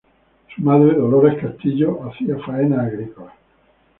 Su madre, Dolores Castillo, hacía faenas agrícolas.